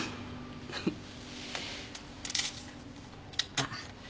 あっ。